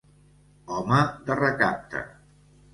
Home de recapte.